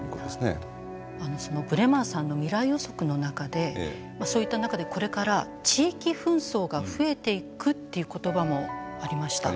そのブレマーさんの未来予測の中でそういった中でこれから地域紛争が増えていくっていう言葉もありました。